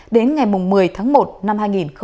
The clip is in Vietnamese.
đến ngày một mươi tháng một năm hai nghìn một mươi sáu